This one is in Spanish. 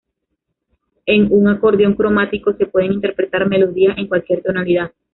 En un acordeón cromático se pueden interpretar melodías en cualquier tonalidad.